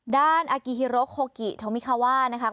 ด้านอากีฮิรบิโฮกิทูมิคาว่านะครับ